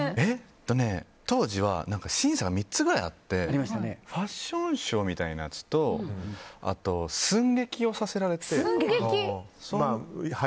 当時は審査が３つぐらいあってファッションショーみたいなのと寸劇をさせられて。